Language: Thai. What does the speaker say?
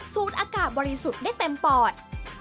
อากาศบริสุทธิ์ได้เต็มปอด